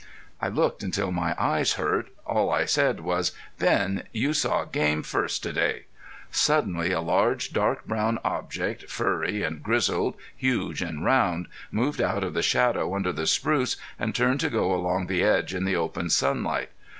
I looked until my eyes hurt. All I said was: "Ben, you saw game first to day". Suddenly a large, dark brown object, furry and grizzled, huge and round, moved out of the shadow under the spruce and turned to go along the edge in the open sunlight.